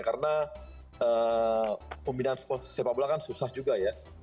karena pembinaan sepak bola kan susah juga ya